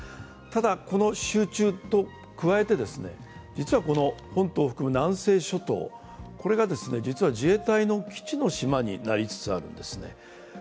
ただ集中と加えて実は本島を含む南西諸島、実は自衛隊の基地の島になりつつあるんですね。